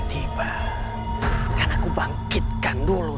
kemarin mama kamu telepon aku loh